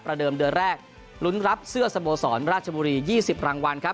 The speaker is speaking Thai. เดิมเดือนแรกลุ้นรับเสื้อสโมสรราชบุรี๒๐รางวัลครับ